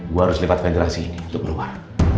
gue harus lipat federasi untuk keluar